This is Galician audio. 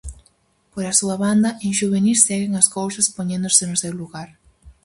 Pola súa banda, en xuvenís seguen as cousas poñéndose no seu lugar.